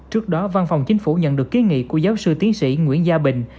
trước đó văn phòng chính phủ nhận được ký nghị của giáo sư tiến sĩ nguyễn gia bình